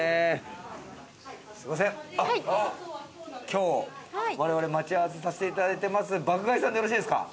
今日我々待ち合わせさせていただいてます爆買いさんでよろしいですか？